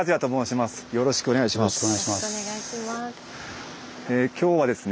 よろしくお願いします。